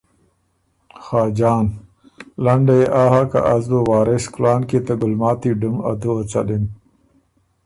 خاجان ـــ لنډه يې آ هۀ که از بُو وارث کُلان کی ته ګلماتی ډُم ا دُوّه څَلِم۔